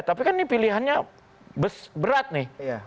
tapi kan ini pilihannya berat nih